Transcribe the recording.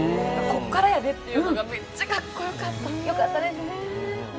ここからやでっていうのがめっちゃかっこよかった。